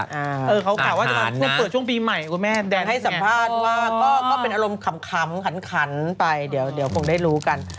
คือเขากลับว่าจะเปิดช่วงปีใหม่ให้สัมภาษณ์มากก็เป็นอารมณ์คำขันไปเดี๋ยวคงได้รู้กัน